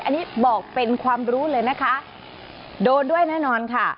อันนี้บอกเป็นความรู้เลยนะคะโดนด้วยแน่นอนค่ะ